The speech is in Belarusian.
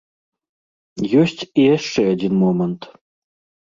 Ёсць і яшчэ адзін момант.